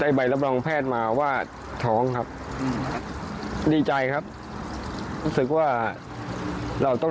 ใบรับรองแพทย์มาว่าท้องครับดีใจครับรู้สึกว่าเราต้อง